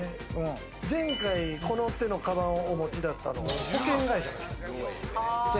前回この手のカバンをお持ちだったのは保険会社の人。